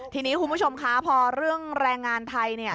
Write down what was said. ทีนี้คุณผู้ชมค่ะเรื่องแรงงานไทย